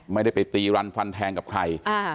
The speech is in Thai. ไม่ได้ไปตีรันฟันแทงกับใคร